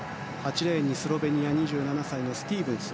８レーンにスロベニア、２７歳のスティーブンス。